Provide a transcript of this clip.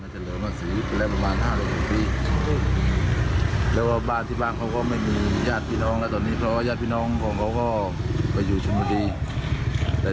เสียใจแล้วว่าถ้าแยดส่งของมันต้องไปที่ฯช้วนนุรีแล้ว